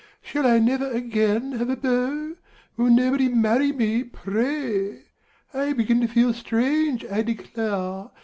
Shall I never again have a beau? Will nobody marry me, pray! I begin to feel strange, I declare!